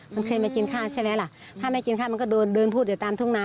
มันเคยมากินข้าวใช่ไหมล่ะถ้าไม่กินข้าวมันก็เดินเดินพูดอยู่ตามทุ่งนา